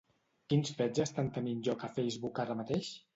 Quins fets estan tenint lloc a Facebook ara mateix?